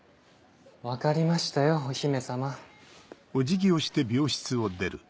分かりましたよお姫様。